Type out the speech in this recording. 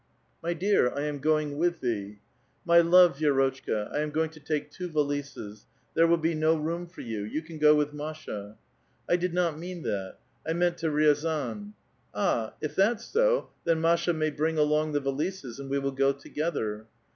'* M}' dear,^ I am going with thee." My love,^ Vi6rotchka, I am going to take two valises ; there will be no room for you ; you can go with Masha." " I did not mean tbat ; I mean to Riazan." " Ah ! if that's so, then Masha may bring along the valises, and we will go together."